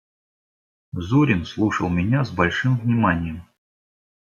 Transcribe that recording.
Зурин слушал меня с большим вниманием.